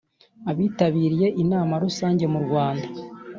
abitabiriye Inama Rusange mu rwanda